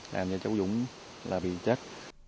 làm cho cháu dụng là bị chết